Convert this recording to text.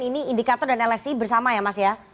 ini indikator dan lsi bersama ya mas ya